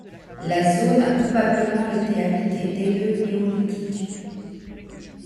La zone a probablement été habitée dès le néolithique.